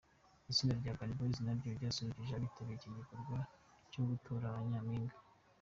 Itsinda rya Urban Boys naryo ryasusurukije abitabiriye iki gikorwa cyo gutora ba nyampinga.